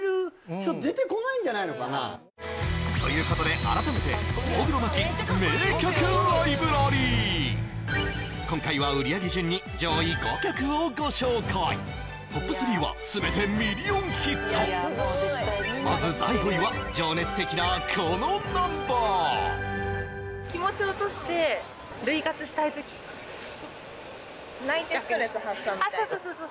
もうだってということで改めて今回は売上げ順に上位５曲をご紹介トップ３は全てミリオンヒットまず第５位は情熱的なこのナンバーあっそうそうそうそう